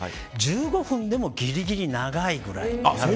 １５分でもギリギリ長いぐらい。